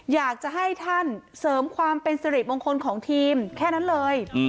อยากจะให้ท่านเสริมความเป็นสิริมงคลของทีมแค่นั้นเลย